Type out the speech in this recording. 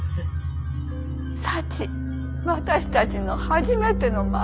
「サチ私たちの初めての孫」。